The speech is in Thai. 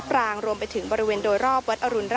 พาคุณผู้ชมไปติดตามบรรยากาศกันที่วัดอรุณราชวรรมหาวิหารค่ะ